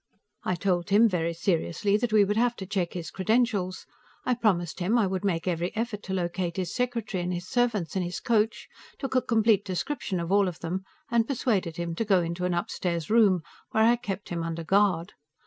I told him, very seriously, that we would have to check his credentials. I promised him I would make every effort to locate his secretary and his servants and his coach, took a complete description of all of them, and persuaded him to go into an upstairs room, where I kept him under guard.